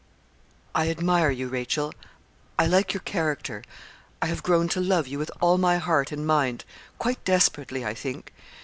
'I admire you, Rachel I like your character I have grown to love you with all my heart and mind quite desperately, I think.